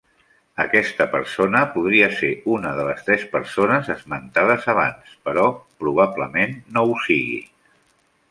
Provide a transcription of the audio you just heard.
Aquesta persona podria ser una de les tres persones esmentades abans, però probablement no ho sigui.